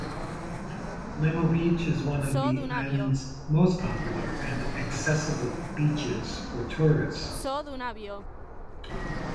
Limo beach is one of the island's most popular and accessible beaches for tourists.